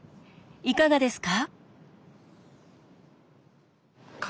いかがですか？